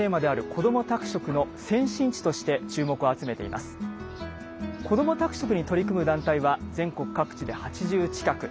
「こども宅食」に取り組む団体は全国各地で８０近く。